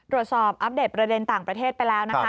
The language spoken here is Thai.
รวดสอบอัพเดทประเด็นต่างประเทศไปแล้วนะคะ